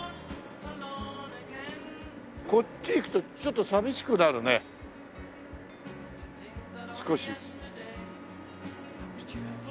こっち行くとちょっと寂しくなるね少し。